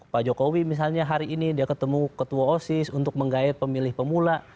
pak jokowi misalnya hari ini dia ketemu ketua osis untuk menggait pemilih pemula